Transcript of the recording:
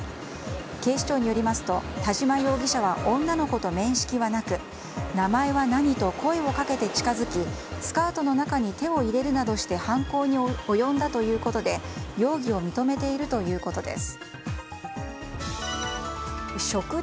警視庁によりますと田島容疑者は女の子と面識はなく名前は何？と声をかけて近づき、スカートの中に手を入れるなどして犯行に及んだということで容疑を認めているということです。